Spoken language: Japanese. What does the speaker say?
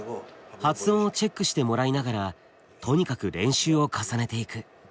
発音をチェックしてもらいながらとにかく練習を重ねていく。